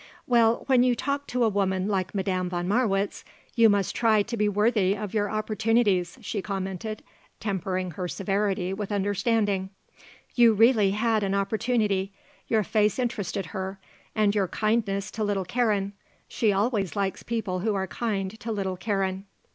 "Well, when you talk to a woman like Madame von Marwitz, you must try to be worthy of your opportunities," she commented, tempering her severity with understanding. "You really had an opportunity. Your face interested her, and your kindness to little Karen. She always likes people who are kind to little Karen."